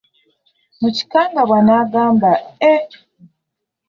Mu kikangabwa, n'agamba, Eeh!